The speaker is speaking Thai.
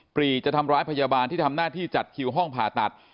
ปรีจะทำร้ายพยาบาลที่ทำหน้าที่จัดคิวห้องผ่าตัด